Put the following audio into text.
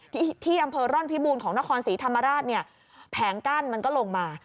ที่ที่อำเภอร่อนพิบูรณ์ของนครศรีธรรมราชเนี่ยแผงกั้นมันก็ลงมา